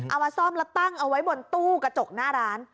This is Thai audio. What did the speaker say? เอามาซ่อมแล้วตั้งเอาไว้บนตู้กระจกหน้าร้าน